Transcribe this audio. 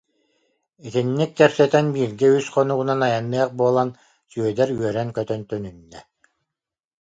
Итинник кэпсэтэн бииргэ үс хонугунан айанныах буолан Сүөдэр үөрэн-көтөн төнүннэ